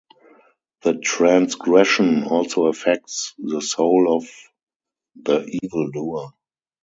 The transgression also affects the soul of the evildoer.